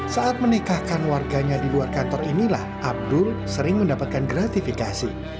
saat menikahkan warganya di luar kantor inilah abdul sering mendapatkan gratifikasi